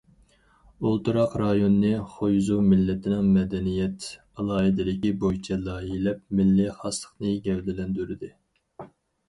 ئولتۇراق رايوننى خۇيزۇ مىللىتىنىڭ مەدەنىيەت ئالاھىدىلىكى بويىچە لايىھەلەپ، مىللىي خاسلىقنى گەۋدىلەندۈردى.